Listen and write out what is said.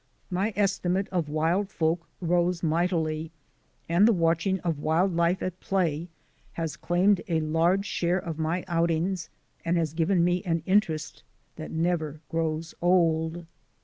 My estimate of wild folk rose mightily and the watching of wild life at play has claimed a large share of my outings and has given me an interest that never grows old.